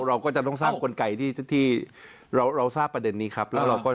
เราก็จะต้องสร้างกุญไกที่เราทราบประเด็นนี้ครับ